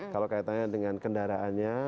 kalau kaitannya dengan kendaraannya